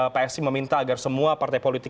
psi meminta agar semua partai politik